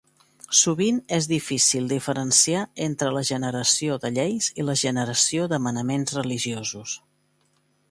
Sovint és difícil diferenciar entre la generació de lleis i la generació de manaments religiosos.